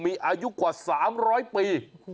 มีอายุกว่า๓๐๐ปี